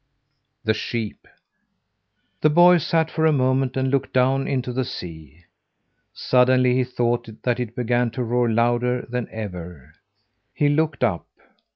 THE SHEEP The boy sat for a moment and looked down into the sea. Suddenly he thought that it began to roar louder than ever. He looked up.